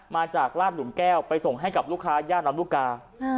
มาจากลาดหลุมแก้วไปส่งให้กับลูกค้าย่านลำลูกกา